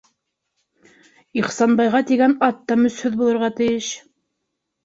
Ихсанбайға тигән ат та мөсһөҙ булырға тейеш.